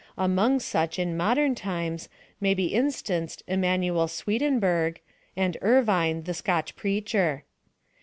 Among such, in modern times, may be instanced Immanuel Swedenbourg, and Irvine, the Scotch preacher.